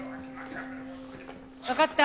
わかった。